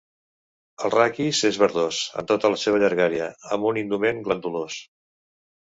El raquis és verdós en tota la seva llargària, amb un indument glandulós.